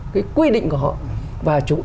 cái quy định của họ